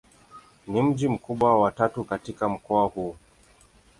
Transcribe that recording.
Ni mji mkubwa wa tatu katika mkoa huu.